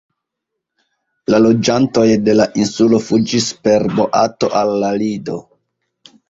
La loĝantoj de la insulo fuĝis per boato al la Lido.